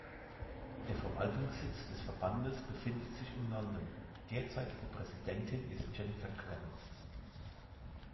Der Verwaltungssitz des Verbandes befindet sich in London, derzeitige Präsidentin ist Jennifer Clement.